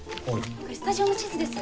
これスタジオの地図です。